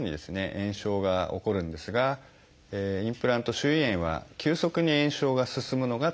炎症が起こるんですがインプラント周囲炎は急速に炎症が進むのが特徴になります。